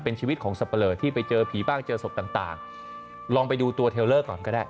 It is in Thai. เป็นชีวิตของสับปะเลอที่ไปเจอผีบ้างเจอศพต่างลองไปดูตัวเทลเลอร์ก่อนก็ได้